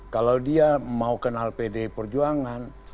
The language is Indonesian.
kalau dia mau kenal pdi perjuangan